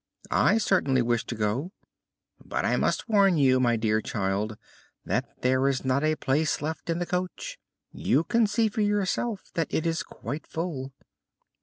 "I certainly wish to go." "But I must warn you, my dear child, that there is not a place left in the coach. You can see for yourself that it is quite full."